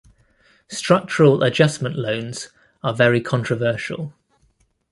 Structural adjustment loans are very controversial.